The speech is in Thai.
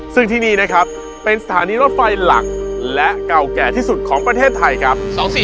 ซึ่งที่นี่นะครับเป็นสถานีรถไฟหลักและเก่าแก่ที่สุดของประเทศไทยครับ